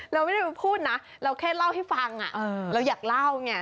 เราไม่ได้พูดนะเราแค่เล่าให้ฟังเราอยากเล่าไง